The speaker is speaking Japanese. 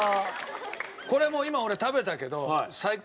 これもう今俺食べたけど最高に美味しい。